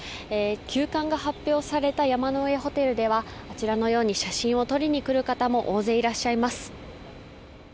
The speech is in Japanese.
休館が発表された山の上ホテルでは写真を撮りに来る方も大勢いらっしゃいます。